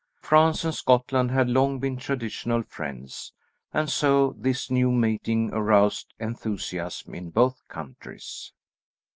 France and Scotland had long been traditional friends, and so this new mating aroused enthusiasm in both countries.